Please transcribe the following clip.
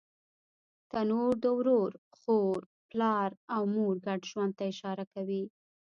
تنور د ورور، خور، پلار او مور ګډ ژوند ته اشاره کوي